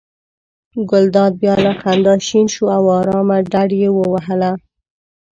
ګلداد بیا له خندا شین شو او آرامه ډډه یې ووهله.